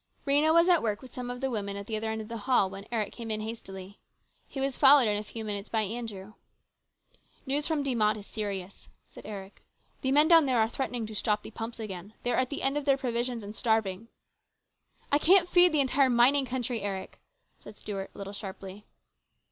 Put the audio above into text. Rhena was at work with some of the women at the other end of the hall, when Eric came in hastily. He was followed in a few minutes by Andrew. " News from De Mott is serious," said Eric. " The men down there are threatening to stop the pumps again. They are at the end of their provisions and starving." " I can't feed the entire mining country, Eric !" said Stuart a little sharply.